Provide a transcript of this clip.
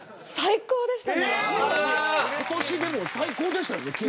今年最高でしたよね。